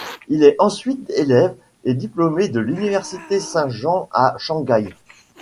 Il est ensuite élève et diplômé de l'université Saint Jean à Shanghai.